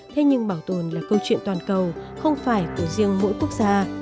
thế nhưng bảo tồn là câu chuyện toàn cầu không phải của riêng mỗi quốc gia